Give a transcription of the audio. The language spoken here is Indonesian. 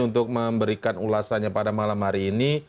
untuk memberikan ulasannya pada malam hari ini